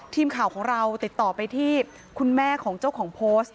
ทีมข่าวของเราติดต่อไปที่คุณแม่ของเจ้าของโพสต์